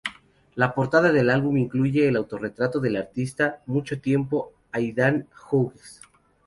La portada del álbum incluye un autorretrato del artista mucho tiempo Aidan Hughes.